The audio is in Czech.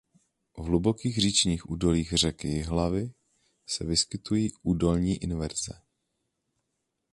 V hlubokých říčních údolích řeky Jihlavy se vyskytují údolní inverze.